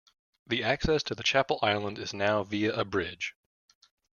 The access to the chapel island is now via a bridge.